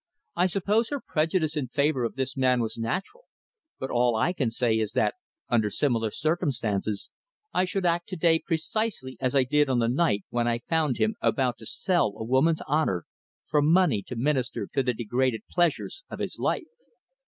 "I suppose her prejudice in favour of this man was natural, but all I can say is that, under similar circumstances, I should act to day precisely as I did on the night when I found him about to sell a woman's honour, for money to minister to the degraded pleasures of his life."